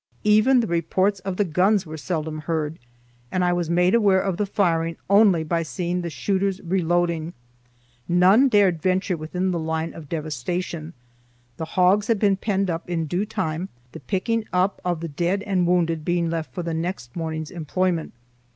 Even the reports of the guns were seldom heard, and I was made aware of the firing only by seeing the shooters reloading. None dared venture within the line of devastation. The hogs had been penned up in due time, the picking up of the dead and wounded being left for the next morning's employment.